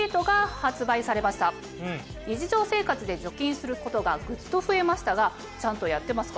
日常生活で除菌することがぐっと増えましたがちゃんとやってますか？